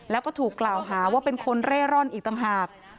แล้วก็ถูกกล่าวหาว่าเป็นคนเร่ร่อนอีกต่างหาก